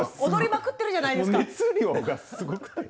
踊りまくってるじゃないですか。